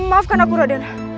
maafkan aku raden